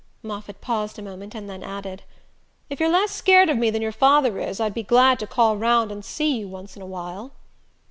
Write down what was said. Moffatt paused a moment and then added: "If you're less scared of me than your father is I'd be glad to call round and see you once in a while."